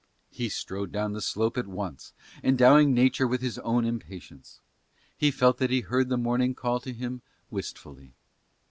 He strode down the slope at once and, endowing nature with his own impatience, he felt that he heard the morning call to him wistfully.